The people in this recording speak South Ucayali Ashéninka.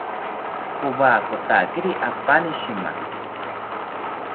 Powakotakiri apani shima